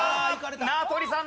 名取さんだ。